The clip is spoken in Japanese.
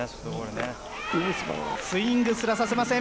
スイングすらさせません。